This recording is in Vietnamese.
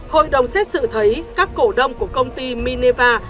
hội đồng xét xử thấy các cổ đông của công ty mineva